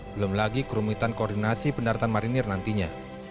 belum lagi kerumitan koordinasi pendaratan marinir nantinya